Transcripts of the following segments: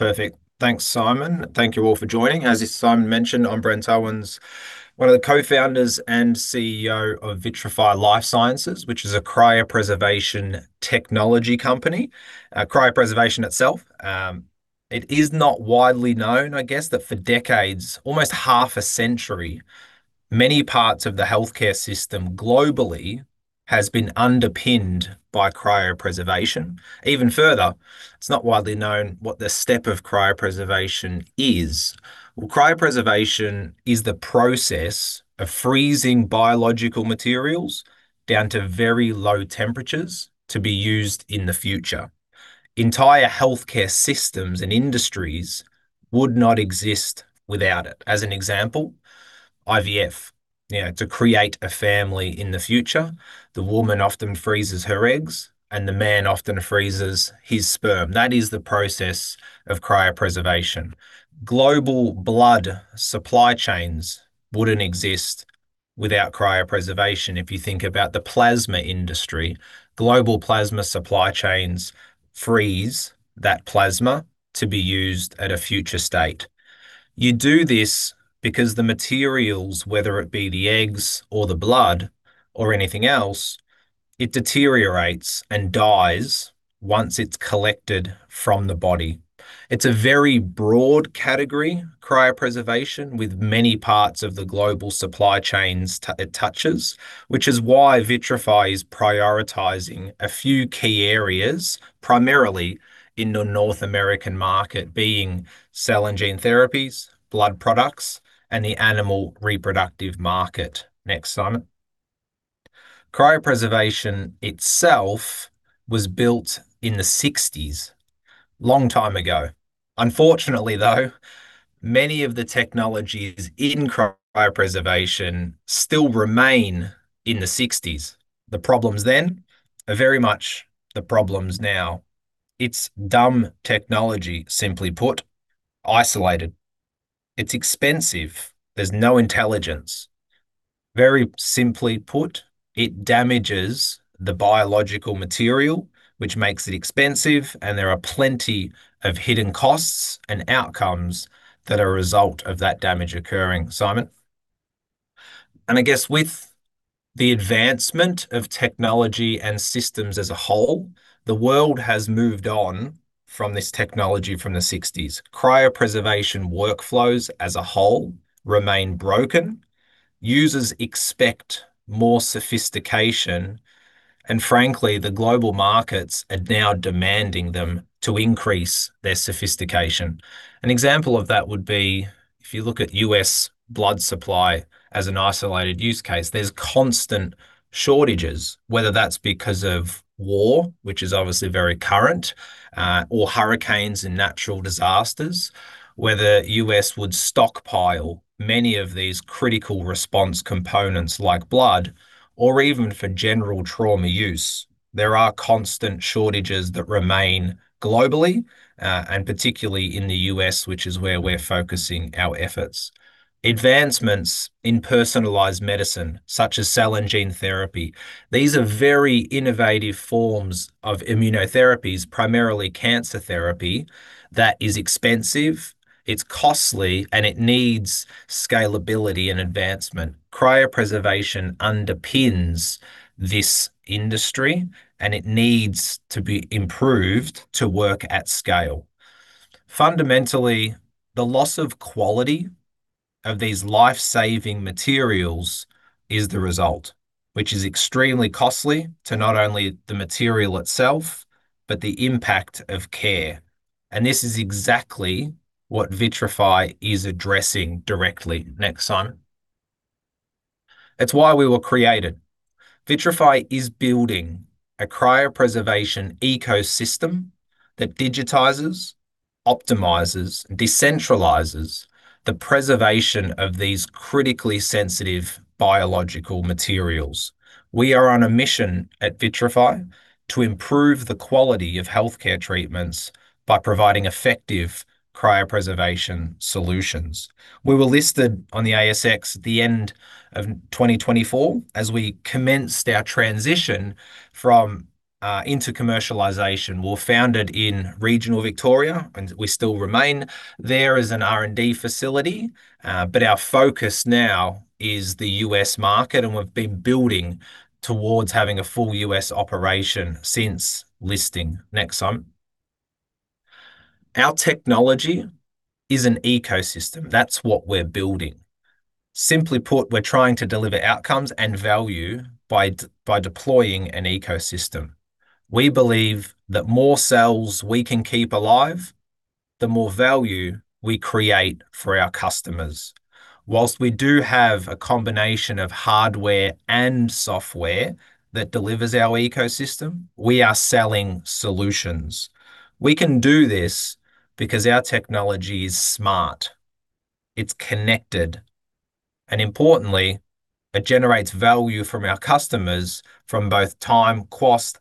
Perfect. Thanks, Simon. Thank you all for joining. As Simon mentioned, I'm Brent Owens, one of the co-founders and Chief Executive Officer of Vitrafy Life Sciences, which is a cryopreservation technology company. Cryopreservation itself, it is not widely known, I guess, that for decades, almost half a century, many parts of the healthcare system globally has been underpinned by cryopreservation. Even further, it's not widely known what the step of cryopreservation is. Well, cryopreservation is the process of freezing biological materials down to very low temperatures to be used in the future. Entire healthcare systems and industries would not exist without it. As an example, IVF. You know, to create a family in the future, the woman often freezes her eggs, and the man often freezes his sperm. That is the process of cryopreservation. Global blood supply chains wouldn't exist without cryopreservation. If you think about the plasma industry, global plasma supply chains freeze that plasma to be used at a future state. You do this because the materials, whether it be the eggs or the blood or anything else, it deteriorates and dies once it's collected from the body. It's a very broad category, cryopreservation, with many parts of the global supply chains it touches, which is why Vitrafy is prioritizing a few key areas, primarily in the North American market being cell and gene therapies, blood products, and the animal reproductive market. Next, Simon. Cryopreservation itself was built in the 1960s. Long time ago. Unfortunately, later, many of the technologies in cryopreservation still remain in the 1960s. The problems then are very much the problems now. It's dumb technology, simply put, isolated. It's expensive. There's no intelligence. Very simply put, it damages the biological material, which makes it expensive, and there are plenty of hidden costs and outcomes that are a result of that damage occurring. Simon. I guess with the advancement of technology and systems as a whole, the world has moved on from this technology from the '60s. Cryopreservation workflows as a whole remain broken. Users expect more sophistication, and frankly, the global markets are now demanding them to increase their sophistication. An example of that would be if you look at U.S. blood supply as an isolated use case, there's constant shortages, whether that's because of war, which is obviously very current, or hurricanes and natural disasters, whether U.S. would stockpile many of these critical response components like blood or even for general trauma use. There are constant shortages that remain globally, and particularly in the U.S., which is where we're focusing our efforts. Advancements in personalized medicine, such as cell and gene therapy, these are very innovative forms of immunotherapies, primarily cancer therapy, that is expensive, it's costly, and it needs scalability and advancement. Cryopreservation underpins this industry, and it needs to be improved to work at scale. Fundamentally, the loss of quality of these life-saving materials is the result, which is extremely costly to not only the material itself, but the impact of care. This is exactly what Vitrafy is addressing directly. Next, Simon. It's why we were created. Vitrafy is building a cryopreservation ecosystem that digitizes, optimizes, decentralizes the preservation of these critically sensitive biological materials. We are on a mission at Vitrafy to improve the quality of healthcare treatments by providing effective cryopreservation solutions. We were listed on the ASX at the end of 2024 as we commenced our transition from into commercialization. We were founded in regional Victoria, and we still remain there as an R&D facility, but our focus now is the U.S. market, and we've been building towards having a full U.S. operation since listing. Next, Simon. Our technology is an ecosystem. That's what we're building. Simply put, we're trying to deliver outcomes and value by deploying an ecosystem. We believe that more cells we can keep alive, the more value we create for our customers. While we do have a combination of hardware and software that delivers our ecosystem, we are selling solutions. We can do this because our technology is smart, it's connected, and importantly, it generates value from our customers from both time, cost,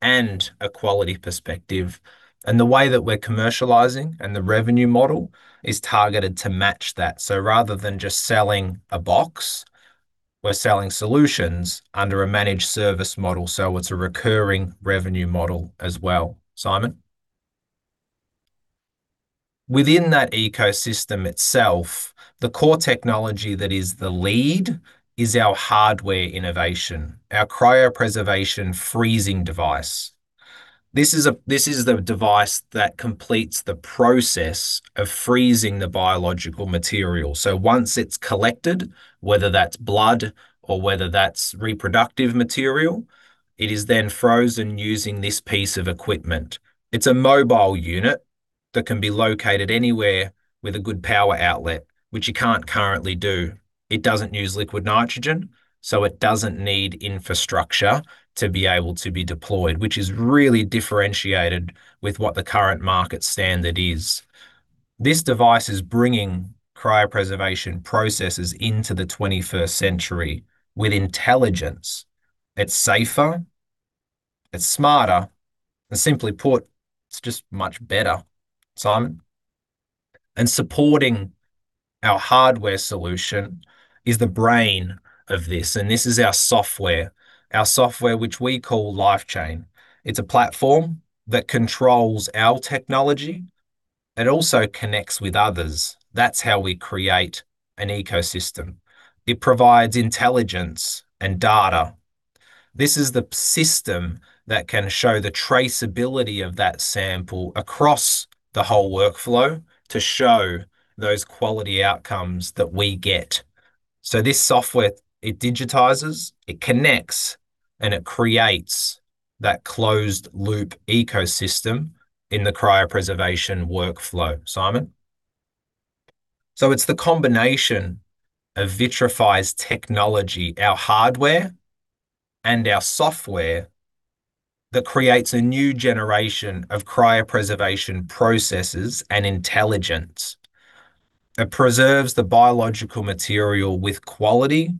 and a quality perspective. The way that we're commercializing and the revenue model is targeted to match that. Rather than just selling a box. We're selling solutions under a managed service model, so it's a recurring revenue model as well. Simon. Within that ecosystem itself, the core technology that is the lead is our hardware innovation, our cryopreservation freezing device. This is the device that completes the process of freezing the biological material. Once it's collected, whether that's blood or whether that's reproductive material, it is then frozen using this piece of equipment. It's a mobile unit that can be located anywhere with a good power outlet, which you can't currently do. It doesn't use liquid nitrogen, so it doesn't need infrastructure to be able to be deployed, which is really differentiated with what the current market standard is. This device is bringing cryopreservation processes into the twenty-first century with intelligence. It's safer, it's smarter, and simply put, it's just much better. Simon. Supporting our hardware solution is the brain of this, and this is our software which we call LifeChain. It's a platform that controls our technology. It also connects with others. That's how we create an ecosystem. It provides intelligence and data. This is the system that can show the traceability of that sample across the whole workflow to show those quality outcomes that we get. This software, it digitizes, it connects, and it creates that closed-loop ecosystem in the cryopreservation workflow. Simon. It's the combination of Vitrafy's technology, our hardware and our software, that creates a new generation of cryopreservation processes and intelligence. It preserves the biological material with quality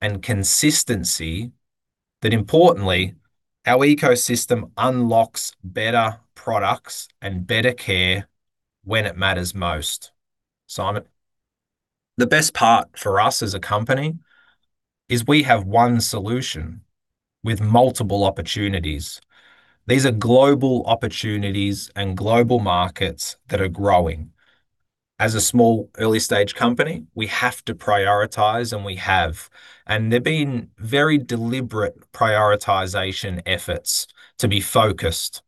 and consistency that importantly, our ecosystem unlocks better products and better care when it matters most. Simon. The best part for us as a company is we have one solution with multiple opportunities. These are global opportunities and global markets that are growing. As a small early-stage company, we have to prioritize, and we have, and there've been very deliberate prioritization efforts to be focused.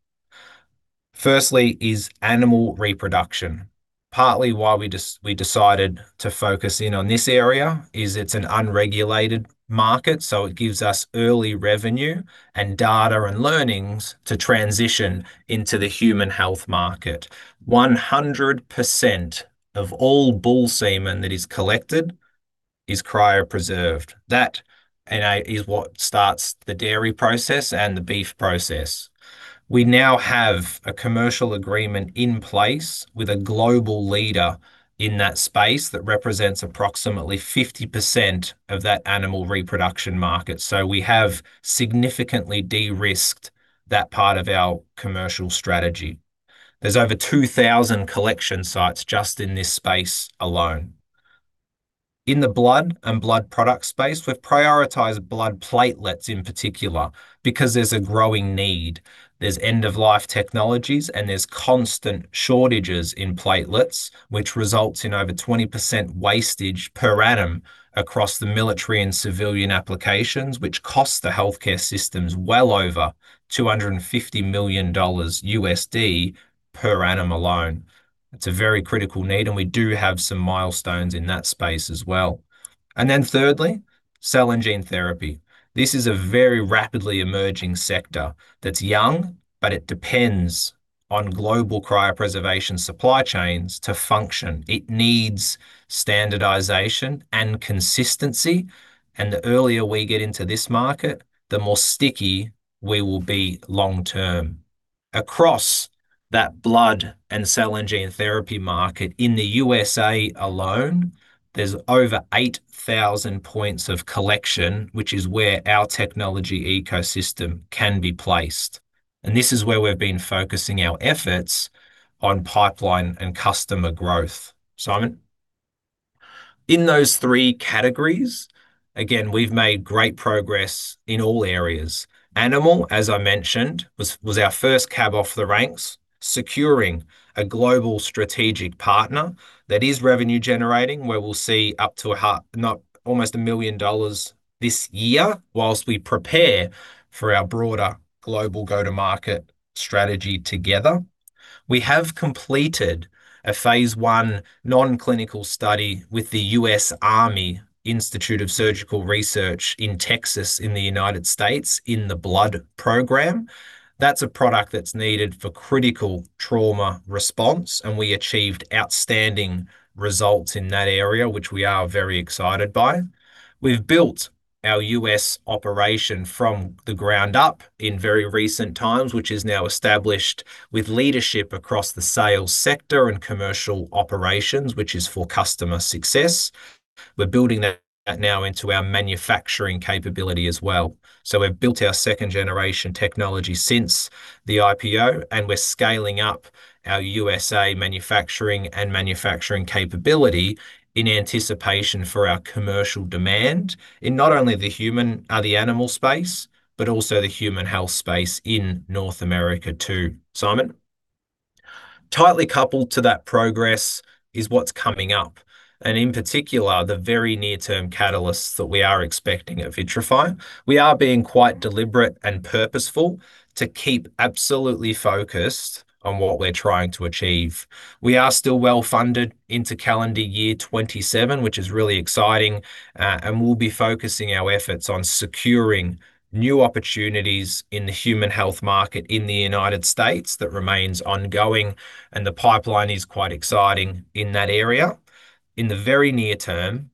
First is animal reproduction. Partly why we decided to focus in on this area is it's an unregulated market, so it gives us early revenue and data and learnings to transition into the human health market. 100% of all bull semen that is collected is cryopreserved. That in a, is what starts the dairy process and the beef process. We now have a commercial agreement in place with a global leader in that space that represents approximately 50% of that animal reproduction market. We have significantly de-risked that part of our commercial strategy. There's over 2,000 collection sites just in this space alone. In the blood and blood product space, we've prioritized blood platelets in particular because there's a growing need. There's end-of-life technologies, and there's constant shortages in platelets, which results in over 20% wastage per annum across the military and civilian applications, which costs the healthcare systems well over $250 million per annum alone. It's a very critical need, and we do have some milestones in that space as well. Thirdly, cell and gene therapy. This is a very rapidly emerging sector that's young, but it depends on global cryopreservation supply chains to function. It needs standardization and consistency, and the earlier we get into this market, the more sticky we will be long term. Across that blood and cell and gene therapy market in the USA alone, there's over 8,000 points of collection, which is where our technology ecosystem can be placed, and this is where we've been focusing our efforts on pipeline and customer growth. Simon? In those three categories, again, we've made great progress in all areas. Animal, as I mentioned, was our first cab off the ranks, securing a global strategic partner that is revenue generating, where we'll see up to almost $1 million this year while we prepare for our broader global go-to-market strategy together. We have completed a phase I non-clinical study with the U.S. Army Institute of Surgical Research in Texas in the United States in the blood program. That's a product that's needed for critical trauma response, and we achieved outstanding results in that area, which we are very excited by. We've built our U.S. operation from the ground up in very recent times, which is now established with leadership across the sales sector and commercial operations, which is for customer success. We're building that now into our manufacturing capability as well. We've built our second generation technology since the IPO, and we're scaling up our U.S. manufacturing capability in anticipation for our commercial demand in not only the animal space, but also the human health space in North America too. Simon. Tightly coupled to that progress is what's coming up, and in particular, the very near-term catalysts that we are expecting at Vitrafy. We are being quite deliberate and purposeful to keep absolutely focused on what we're trying to achieve. We are still well-funded into calendar year 2027, which is really exciting, and we'll be focusing our efforts on securing new opportunities in the human health market in the United States that remains ongoing, and the pipeline is quite exciting in that area. In the very near term,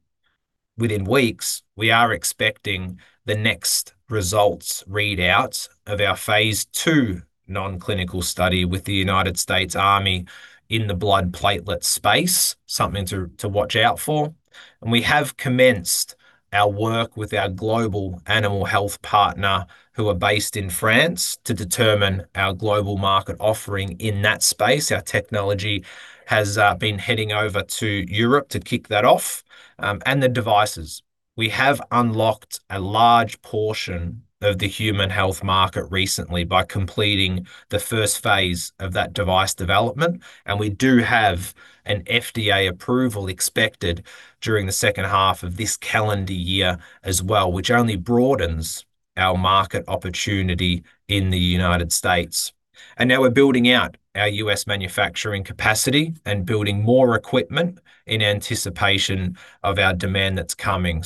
within weeks, we are expecting the next results readouts of our phase II non-clinical study with the U.S. Army in the blood platelets space, something to watch out for. We have commenced our work with our global animal health partner, who are based in France, to determine our global market offering in that space. Our technology has been heading over to Europe to kick that off. The devices. We have unlocked a large portion of the human health market recently by completing the first phase of that device development, and we do have an FDA approval expected during the second half of this calendar year as well, which only broadens our market opportunity in the United States. Now we're building out our U.S. manufacturing capacity and building more equipment in anticipation of our demand that's coming.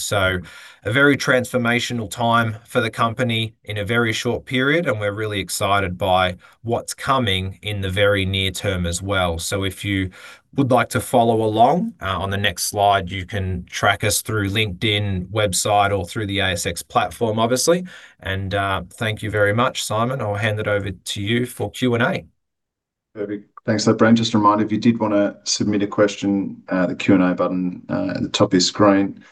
A very transformational time for the company in a very short period, and we're really excited by what's coming in the very near term as well. If you would like to follow along on the next slide, you can track us through LinkedIn website or through the ASX platform, obviously. Thank you very much. Simon, I'll hand it over to you for Q&A. Perfect. Thanks for that, Brent. Just a reminder, if you did wanna submit a question, the Q&A button at the top of your screen.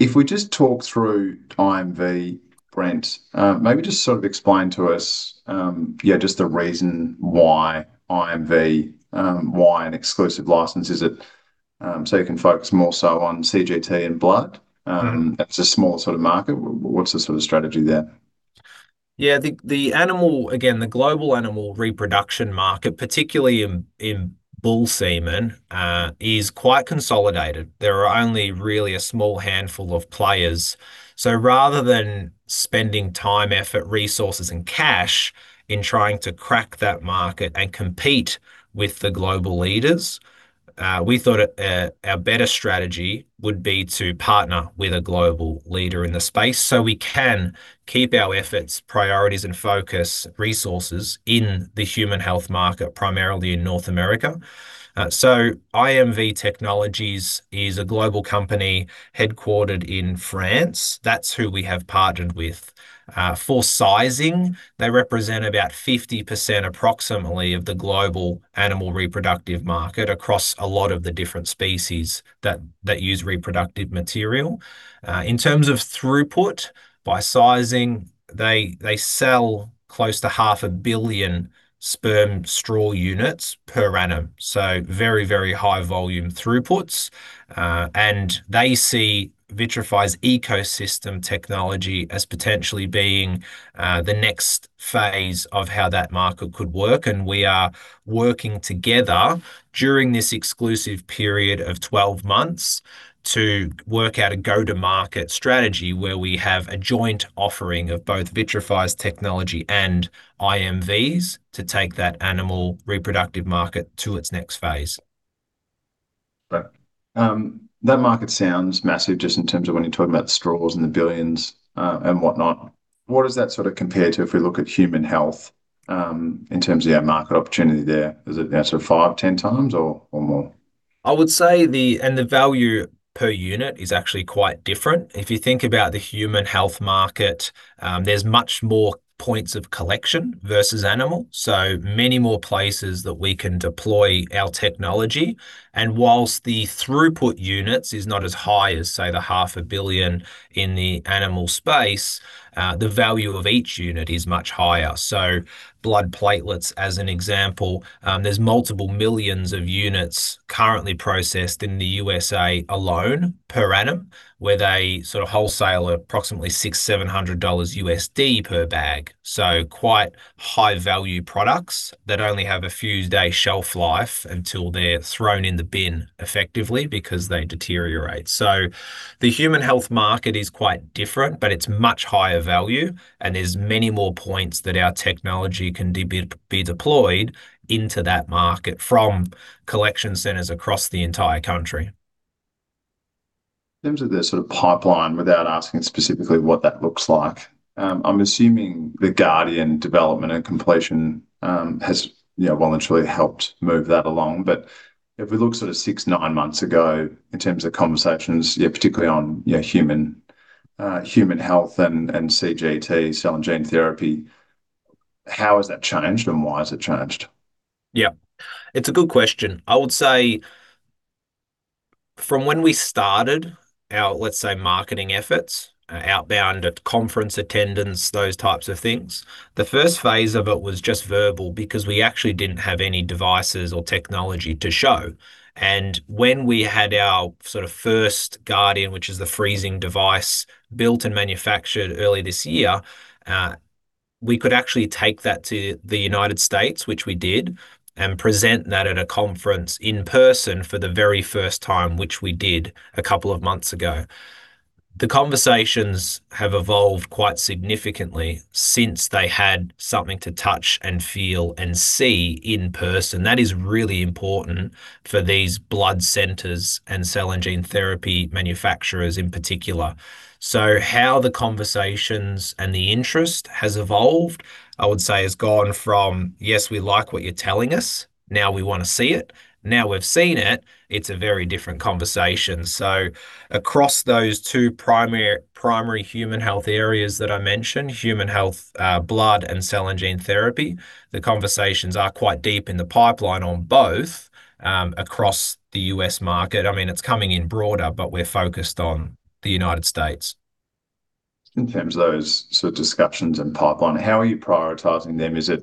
If we just talk through IMV, Brent, maybe just sort of explain to us, yeah, just the reason why IMV, why an exclusive license? Is it so you can focus more so on CGT and blood? If it's a smaller sort of market, what's the sort of strategy there? The global animal reproduction market, particularly in bull semen, is quite consolidated. There are only really a small handful of players. Rather than spending time, effort, resources, and cash in trying to crack that market and compete with the global leaders, we thought a better strategy would be to partner with a global leader in the space so we can keep our efforts, priorities, and focus resources in the human health market, primarily in North America. IMV Technologies is a global company headquartered in France. That's who we have partnered with. For sizing, they represent about 50% approximately of the global animal reproductive market across a lot of the different species that use reproductive material. In terms of throughput, by sizing, they sell close to 0.5 billion Sperm straw units per annum, so very, very high volume throughputs. They see Vitrafy's ecosystem technology as potentially being the next phase of how that market could work, and we are working together during this exclusive period of 12 months to work out a go-to-market strategy where we have a joint offering of both Vitrafy's technology and IMV's to take that animal reproductive market to its next phase. Great. That market sounds massive just in terms of when you're talking about the straws and the billions, and whatnot. What does that sort of compare to if we look at human health, in terms of our market opportunity there? Is it now sort of five-10 times or more? I would say the value per unit is actually quite different. If you think about the human health market, there's much more points of collection versus animal, so many more places that we can deploy our technology. While the throughput units is not as high as, say, the 0.5 billion in the animal space, the value of each unit is much higher. Blood platelets as an example, there's multiple millions of units currently processed in the USA alone per annum, where they sort of wholesale at approximately $600-$700 per bag. Quite high value products that only have a few day shelf life until they're thrown in the bin effectively because they deteriorate. The human health market is quite different, but it's much higher value and there's many more points that our technology can be deployed into that market from collection centers across the entire country. In terms of the sort of pipeline, without asking specifically what that looks like, I'm assuming the Guardian development and completion has, you know, voluntarily helped move that along. If we look sort of six to nine months ago in terms of conversations, yeah, particularly on, you know, human health and CGT, cell and gene therapy. How has that changed, and why has it changed? Yeah. It's a good question. I would say from when we started our, let's say, marketing efforts, outbound conference attendance, those types of things, the first phase of it was just verbal because we actually didn't have any devices or technology to show. When we had our sort of first Guardian, which is the freezing device, built and manufactured early this year, we could actually take that to the United States, which we did, and present that at a conference in person for the very first time, which we did a couple of months ago. The conversations have evolved quite significantly since they had something to touch and feel and see in person. That is really important for these blood centers and cell and gene therapy manufacturers in particular. How the conversations and the interest has evolved, I would say has gone from, "Yes, we like what you're telling us. Now we wanna see it. Now we've seen it," it's a very different conversation. Across those two primary human health areas that I mentioned, human health, blood and cell and gene therapy, the conversations are quite deep in the pipeline on both, across the U.S. market. I mean, it's coming in broader, but we're focused on the United States. In terms of those sort of discussions and pipeline, how are you prioritizing them? Is it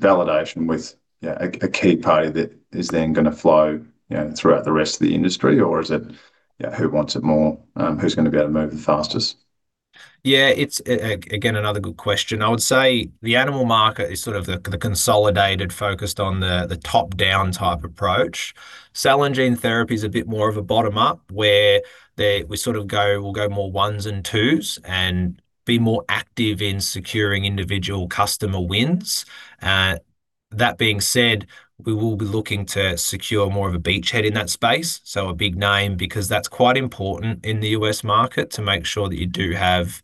validation with, you know, a key party that is then gonna flow, you know, throughout the rest of the industry? Or is it, you know, who wants it more? Who's gonna be able to move the fastest? Yeah. It's again, another good question. I would say the animal market is sort of consolidated, focused on the top-down type approach. Cell and gene therapy is a bit more of a bottom-up, where we sort of go, we'll go more ones and twos and be more active in securing individual customer wins. That being said, we will be looking to secure more of a beachhead in that space, so a big name, because that's quite important in the U.S. market to make sure that you do have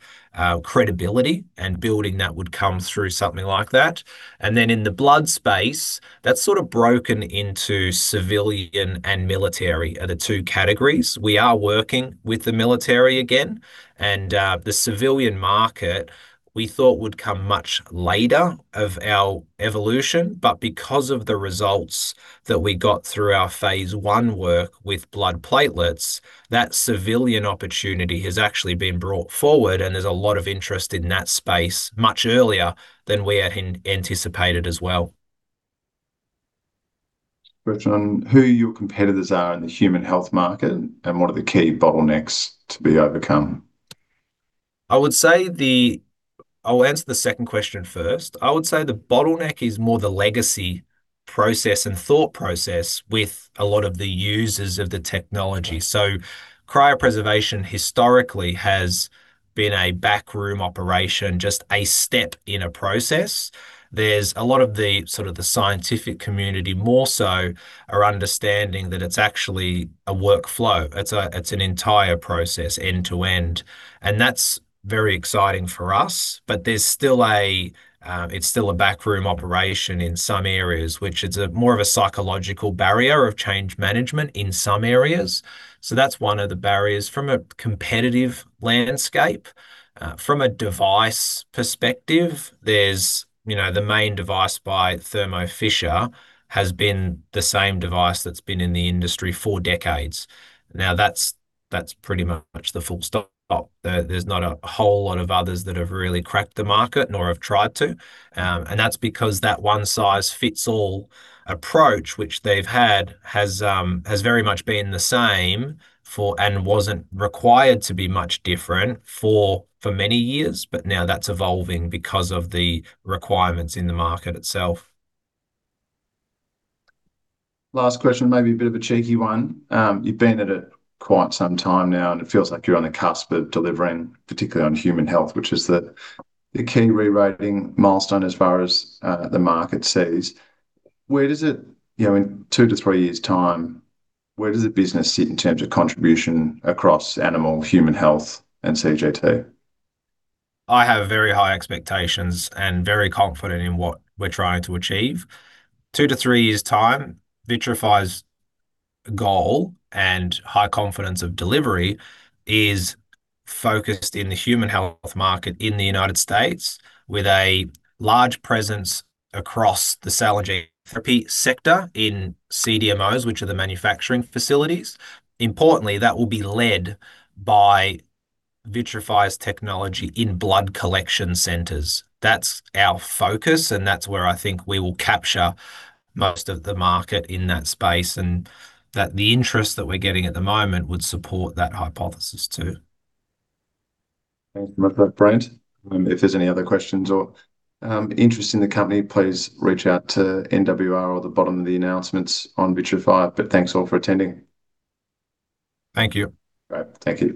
credibility, and building that would come through something like that. Then in the blood space, that's sort of broken into civilian and military are the two categories. We are working with the military again. The civilian market we thought would come much later of our evolution. Because of the results that we got through our phase I work with blood platelets, that civilian opportunity has actually been brought forward and there's a lot of interest in that space much earlier than we had anticipated as well. Brent, on who your competitors are in the human health market, and what are the key bottlenecks to be overcome? I'll answer the second question first. I would say the bottleneck is more the legacy process and thought process with a lot of the users of the technology. Cryopreservation historically has been a back room operation, just a step in a process. There's a lot of the sort of scientific community more so are understanding that it's actually a workflow. It's a, it's an entire process end to end. That's very exciting for us. There's still a, it's still a back room operation in some areas, which it's a more of a psychological barrier of change management in some areas. That's one of the barriers from a competitive landscape. From a device perspective, there's, you know, the main device by Thermo Fisher has been the same device that's been in the industry for decades. Now that's pretty much the full stop. There's not a whole lot of others that have really cracked the market nor have tried to. That's because that one size fits all approach which they've had has very much been the same for, and wasn't required to be much different for, many years. Now that's evolving because of the requirements in the market itself. Last question, maybe a bit of a cheeky one. You've been at it quite some time now, and it feels like you're on the cusp of delivering, particularly on human health, which is the key rerating milestone as far as the market sees. Where does it, you know, in two to three years' time, where does the business sit in terms of contribution across animal, human health and CGT? I have very high expectations and very confident in what we're trying to achieve. two to three years' time, Vitrafy's goal and high confidence of delivery is focused in the human health market in the United States with a large presence across the cell and gene therapy sector in CDMOs, which are the manufacturing facilities. Importantly, that will be led by Vitrafy's technology in blood collection centers. That's our focus, and that's where I think we will capture most of the market in that space, and that the interest that we're getting at the moment would support that hypothesis too. Thanks very much, Brent. If there's any other questions or interest in the company, please reach out to NWR or the bottom of the announcements on Vitrafy. Thanks all for attending. Thank you. Great. Thank you.